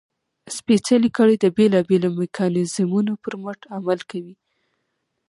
سپېڅلې کړۍ د بېلابېلو میکانیزمونو پر مټ عمل کوي.